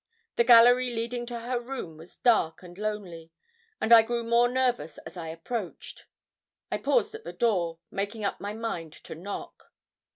The gallery leading to her room was dark and lonely, and I grew more nervous as I approached; I paused at the door, making up my mind to knock.